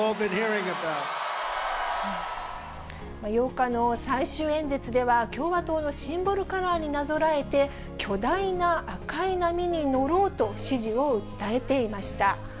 ８日の最終演説では、共和党のシンボルカラーになぞらえて、巨大な赤い波に乗ろうと支持を訴えていました。